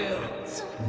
そんな。